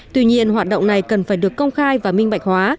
tuy nhiên hoạt động này cần phải được công khai và minh bạch hóa